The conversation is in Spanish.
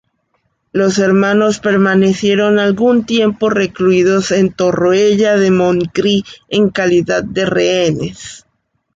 Los hermanos permanecieron algún tiempo recluidos en Torroella de Montgrí en calidad de rehenes.